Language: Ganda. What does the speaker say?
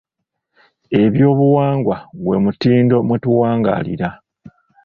Eby'obuwangwa gwe mutindo mwe tuwangaalira.